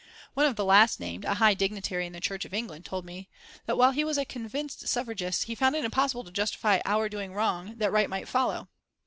One of the last named, a high dignitary of the Church of England, told me that while he was a convinced suffragist, he found it impossible to justify our doing wrong that right might follow.